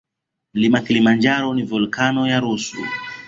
Mlima kilimanjaro ni volkeno ya rusu